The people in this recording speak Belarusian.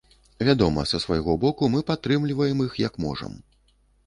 Вядома, са свайго боку мы падтрымліваем іх як можам.